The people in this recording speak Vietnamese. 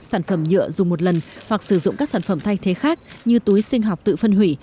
sản phẩm nhựa dùng một lần hoặc sử dụng các sản phẩm thay thế khác như túi sinh học tự phân hủy